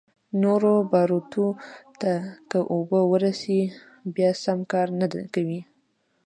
نورو باروتو ته که اوبه ورورسي بيا سم کار نه کوي.